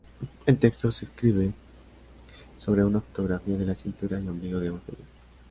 El texto se inscribe sobre una fotografía de la cintura y ombligo de Evangelina.